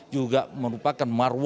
juga merupakan marwak